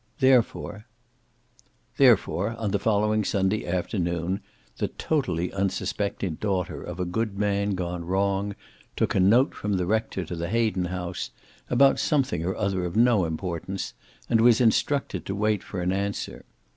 Therefore " Therefore, on the following Sunday afternoon, the totally unsuspecting daughter of a good man gone wrong took a note from the rector to the Hayden house, about something or other of no importance, and was instructed to wait for an answer.